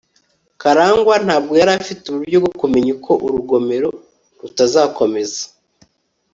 karangwa ntabwo yari afite uburyo bwo kumenya ko urugomero rutazakomeza